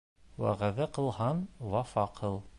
Вәғәҙә ҡылһаң, вафа ҡыл.